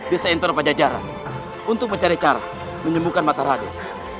bisa enter pada jarak untuk mencari cara menyembuhkan mata raden